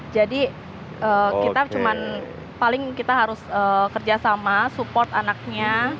jadi kita cuman paling kita harus kerja sama support anaknya